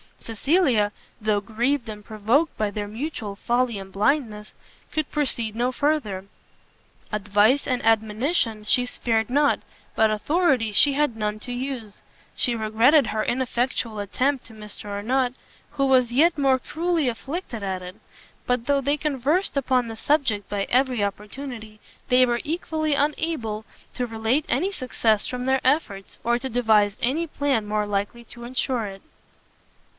Cecilia, though grieved and provoked by their mutual folly and blindness, could proceed no further: advice and admonition she spared not, but authority she had none to use. She regretted her ineffectual attempt to Mr Arnott, who was yet more cruelly afflicted at it; but though they conversed upon the subject by every opportunity, they were equally unable to relate any success from their efforts, or to devise any plan more likely to ensure it.